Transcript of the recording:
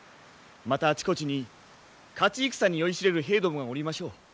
またあちこちに勝ち戦に酔いしれる兵どもがおりましょう。